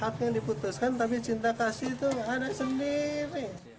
hak yang diputuskan tapi cinta kasih itu ada sendiri